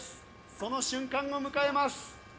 その瞬間を迎えます。